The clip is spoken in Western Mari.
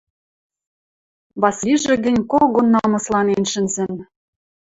Васлижӹ гӹнь когон намысланен шӹнзӹн.